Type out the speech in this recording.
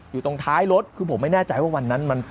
อยู่ตรงท้ายรถคือผมไม่แน่ใจว่าวันนั้นมัน